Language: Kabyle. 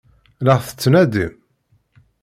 La ɣ-tettnadim?